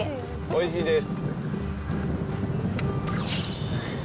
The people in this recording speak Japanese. おいしいです。